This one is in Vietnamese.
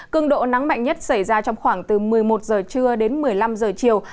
cường độ nắng mạnh nhất xảy ra trong khoảng từ một mươi một giờ trưa đến một mươi năm giờ chiều